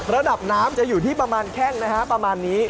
ระดับน้ำจะอยู่ที่ประมาณแข้งนะฮะประมาณนี้